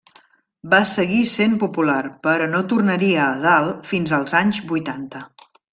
Va seguir sent popular, però no tornaria a dalt fins als anys vuitanta.